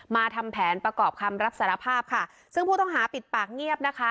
ทำแผนประกอบคำรับสารภาพค่ะซึ่งผู้ต้องหาปิดปากเงียบนะคะ